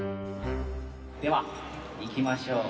ではいきましょう！